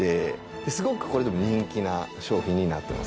すごくこれでも人気な商品になってますね。